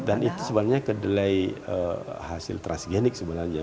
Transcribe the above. dan itu sebenarnya kedelai hasil transgenik sebenarnya